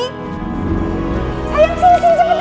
sayang sini sini cepetan cepetan